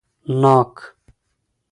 🍐ناک